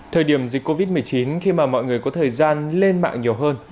thời điểm dịch covid một mươi chín khi mà mọi người có thời gian lên mạng nhiều hơn